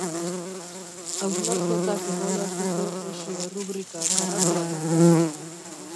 Hausnarketak ebaluatzeko oso errubrika karratuak dira.